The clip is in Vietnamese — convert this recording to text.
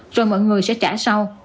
rồi mọi người sẽ trả sau